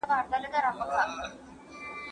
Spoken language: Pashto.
د بنديانو سره انساني چلند کېده.